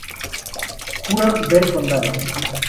Huron Ver Condado.